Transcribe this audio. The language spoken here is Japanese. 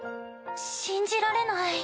信じられない。